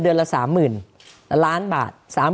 เดือนละ๓๐๐๐๐๐๐๐บาท